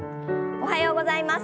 おはようございます。